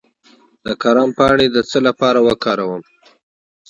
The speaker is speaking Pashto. د کرم پاڼې د څه لپاره وکاروم؟